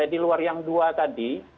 di luar yang dua tadi